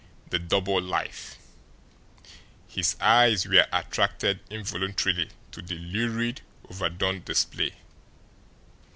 "THE DOUBLE LIFE" his eyes were attracted involuntarily to the lurid, overdone display.